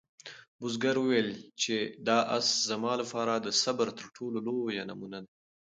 بزګر وویل چې دا آس زما لپاره د صبر تر ټولو لویه نمونه ده.